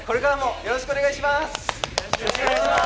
よろしくお願いします！